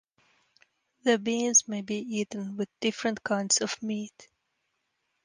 The beans may be eaten with different kinds of meat.